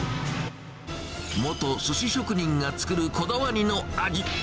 元すし職人が作る、こだわりの味。